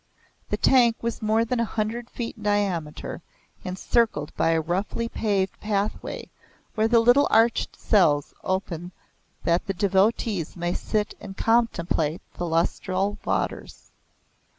The tank was more than a hundred feet in diameter and circled by a roughly paved pathway where the little arched cells open that the devotees may sit and contemplate the lustral waters.